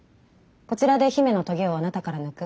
こちらで姫の棘をあなたから抜く。